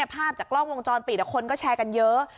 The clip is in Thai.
ภาพจากกล้องวงจรปิดคนก็แชร์กันเยอะ